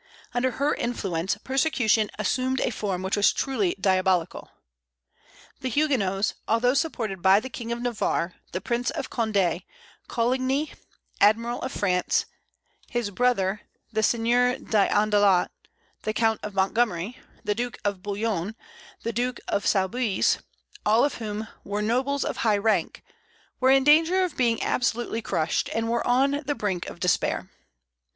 Under her influence persecution assumed a form which was truly diabolical. The Huguenots, although supported by the King of Navarre, the Prince of Condé, Coligny (Admiral of France), his brother the Seigneur d' Andelot, the Count of Montgomery, the Duke of Bouillon, the Duke of Soubise, all of whom were nobles of high rank, were in danger of being absolutely crushed, and were on the brink of despair.